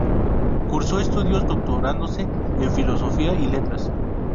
Cursó estudios doctorándose en Filosofía y Letras.